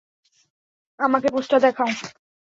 আমাকে পোস্টটা দেখাও।